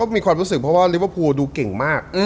มีความรู้สึกเพราะว่าลิเวอร์พูลดูเก่งมาก